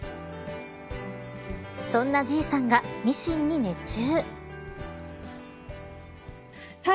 そんなＧ３がミシンに熱中。